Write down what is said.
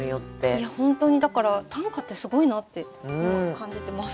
いや本当にだから短歌ってすごいなって今感じてます。